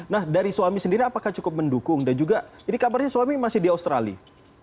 nah dari suami sendiri apakah cukup mendukung dan juga ini kabarnya suami masih di australia